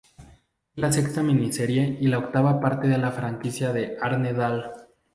Es la sexta miniserie y la octava parte de la franquicia de Arne Dahl.